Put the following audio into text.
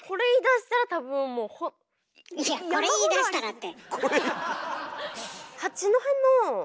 いや「これ言いだしたら」って。